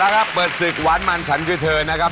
เอาละครับเปิดสึกวันมาร์นฉันคือเธอนะครับ